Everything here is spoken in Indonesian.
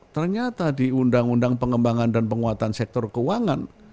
ternyata di undang undang pengembangan dan penguatan sektor keuangan